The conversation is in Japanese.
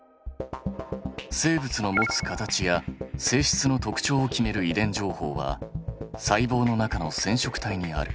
生物の持つ形や性質の特徴を決める遺伝情報は細胞の中の染色体にある。